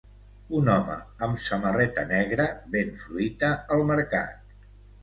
Un home amb samarreta negra ven fruita al mercat.